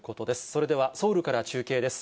それではソウルから中継です。